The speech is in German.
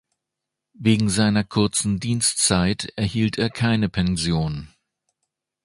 Wegen seiner kurzen Dienstzeit erhielt er keine Pension.